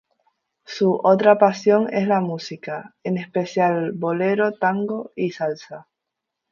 Su otra pasión es la música, en especial bolero, tango, y salsa.